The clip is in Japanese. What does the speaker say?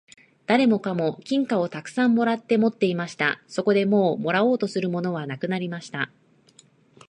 誰もかも金貨をたくさん貰って持っていました。そこでもう貰おうとするものはなくなりました。